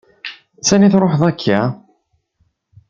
S ani truḥeḍ akka?